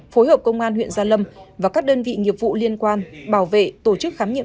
phối hợp công an huyện gia lâm và các đơn vị nghiệp vụ liên quan bảo vệ tổ chức khám nghiệm